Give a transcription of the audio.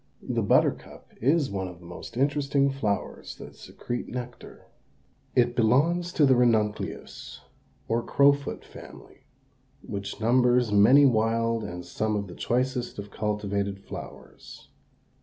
The buttercup is one of the most interesting flowers that secrete nectar. It belongs to the Ranunculus, or crowfoot family, which numbers many wild and some of the choicest of cultivated flowers.